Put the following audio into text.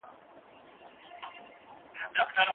که شاګرد زیار وباسي پایله به یې ډېره خوندوره وي.